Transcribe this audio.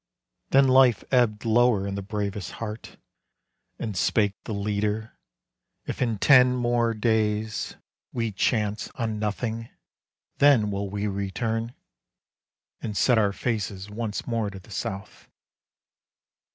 Then life ebbed lower in the bravest heart, And spake the leader, "If in ten more days We chance on nothing, then will we return, And set our faces once more to the south."